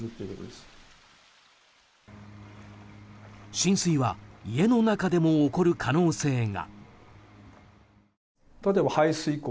浸水は家の中でも起こる可能性が。